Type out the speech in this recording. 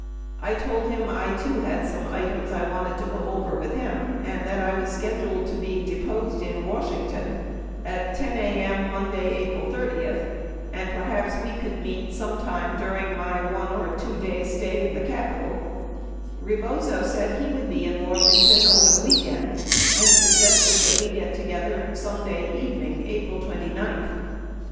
I told him I too had some items I wanted to go over with him and that I was scheduled to be deposed in Washington at 10 a.m. Monday, April 30, and perhaps we could meet sometime during my 1 or 2 day stay in the Capital [Rebozo] said he would be in Washington over the weekend and suggested that we get together Sunday evening, April 29 20 Rebozo interview, Oct. 17, 1973, p.